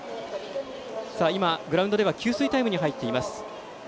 今、グラウンドでは給水タイムに入っています。